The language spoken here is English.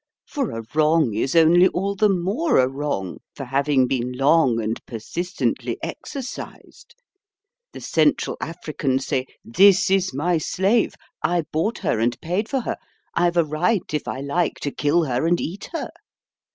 For a wrong is only all the more a wrong for having been long and persistently exercised. The Central Africans say, 'This is my slave; I bought her and paid for her; I've a right, if I like, to kill her and eat her.'